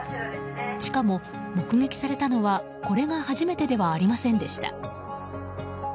しかも、目撃されたのはこれが初めてではありませんでした。